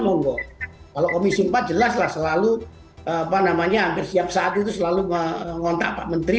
monggo kalau komisi empat jelaslah selalu apa namanya hampir setiap saat itu selalu mengontak pak menteri